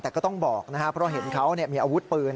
แต่ก็ต้องบอกนะฮะเพราะว่าเห็นเขาเนี่ยมีอาวุธปืน